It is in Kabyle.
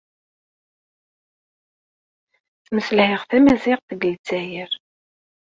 Ttmeslayeɣ tamaziɣt deg Lezzayer.